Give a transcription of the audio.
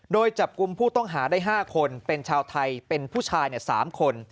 โดยจับกลุ่มผู้ต้องหาได้๕คนเป็นชาวไทยเป็นผู้ชาย๓คน